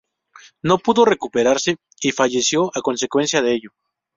No pudo recuperarse y falleció a consecuencia de ello.